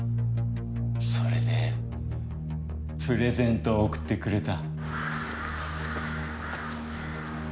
それでプレゼントを贈ってくれた。